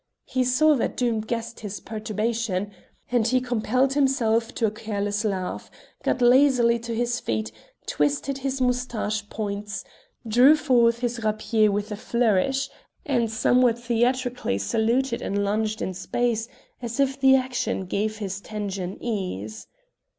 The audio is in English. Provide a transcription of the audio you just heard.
He saw that Doom guessed his perturbation, and he compelled himself to a careless laugh, got lazily to his feet, twisted his moustache points, drew forth his rapier with a flourish, and somewhat theatrically saluted and lunged in space as if the action gave his tension ease.